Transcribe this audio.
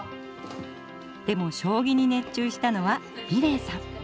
でも将棋に熱中したのは美礼さん。